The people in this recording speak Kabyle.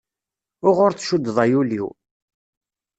Uɣur tcuddeḍ ay ul-iw.